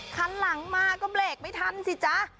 คันหลังมาก็เบรกไม่ทันสิจ๊ะ